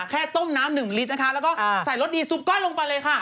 แค่ต้มน้ำหนึ่งลิตรนะคะแล้วก็ใส่รสดีซุปก้อนลงไปเลยค่ะ